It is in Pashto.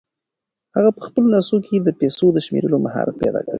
هغه په خپلو لاسو کې د پیسو د شمېرلو مهارت پیدا کړی و.